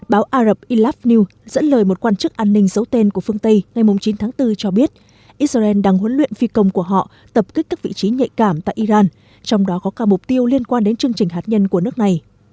báo arab ilaf news dẫn lời một quan chức an ninh giấu tên của phương tây ngày chín tháng bốn cho biết israel đang huấn luyện phi công của họ tập kích các vị trí nhạy cảm tại iran trong đó có cả mục tiêu liên quan đến chương trình hạt nhân của nước này